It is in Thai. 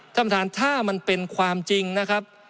ท่านประธานถ้ามันเป็นความจริงนะครับ